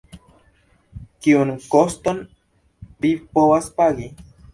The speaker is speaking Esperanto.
Kiun koston vi povas pagi?